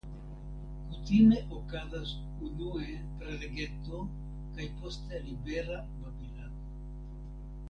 Kutime okazas unue prelegeto kaj poste libera babilado.